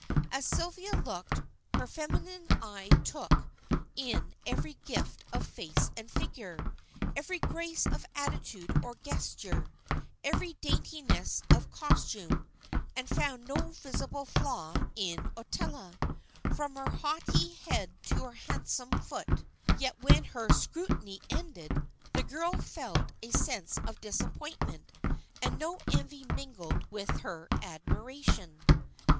As Sylvia looked, her feminine eye took in every gift of face and figure, every grace of attitude or gesture, every daintiness of costume, and found no visible flaw in Ottila, from her haughty head to her handsome foot. Yet when her scrutiny ended, the girl felt a sense of disappointment, and no envy mingled with her admiration.